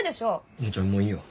姉ちゃんもういいよ。